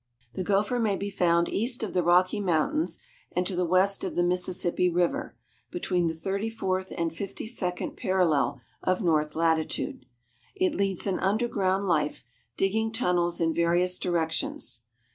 The gopher may be found east of the Rocky Mountains and to the west of the Mississippi river, between the thirty fourth and fifty second parallel of north latitude. It leads an underground life, digging tunnels in various directions.